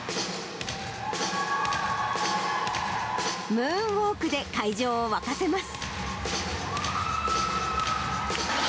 ムーンウオークで会場を沸かせます。